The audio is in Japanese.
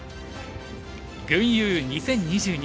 群遊２０２２